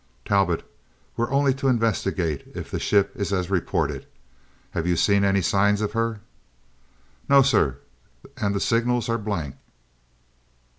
"Talbot we are only to investigate if the ship is as reported. Have you seen any signs of her?" "No sir, and the signals are blank."